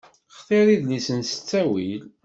Xtir idlisen s ttawil.